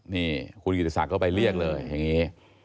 นี่คุณกิติศักดิ์ก็ไปเรียกเลยอย่างนี้